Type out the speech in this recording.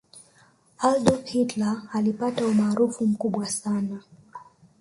adolf hitler alipata umaarufu mkubwa sana